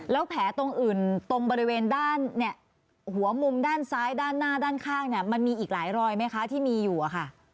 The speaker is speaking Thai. แล้วแผลตรงอื่นตรงบริเวณด้านเนี่ยหัวมุมด้านซ้ายด้านหน้าด้านข้างเนี่ยมันมีอีกหลายรอยไหมคะที่มีอยู่อะค่ะ